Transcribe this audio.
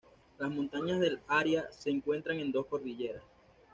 Las montañas del área se encuentran en dos cordilleras.